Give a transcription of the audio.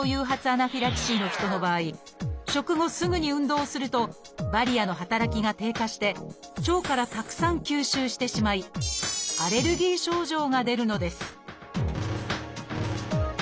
アナフィラキシーの人の場合食後すぐに運動するとバリアの働きが低下して腸からたくさん吸収してしまいアレルギー症状が出るのです